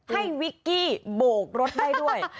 วิกกี้โบกรถได้ด้วย